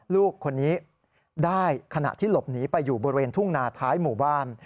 ลูกคนนี้ได้ขณะที่หลบหนีไปอยู่บริเวณทุ่งนาท้ายหมู่บ้าน